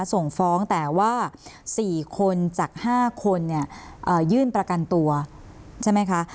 ส่งฟ้องแต่ว่า๔คนจาก๕คนเนี่ยยื่นประกันตัวใช่ไหมคะ